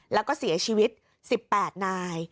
แล้วก็เสียชีวิต๑๘นาย